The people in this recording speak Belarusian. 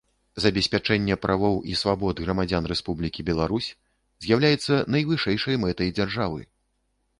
Забеспячэнне правоў і свабод грамадзян Рэспублікі Беларусь з’яўляецца найвышэйшай мэтай дзяржавы.